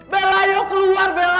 bella ayo keluar bella